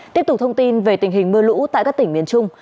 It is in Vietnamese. tiếp tục thông tin về tình hình mưa lũ tại các tỉnh miền trung